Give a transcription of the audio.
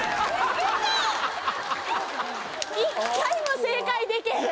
１回も正解できへん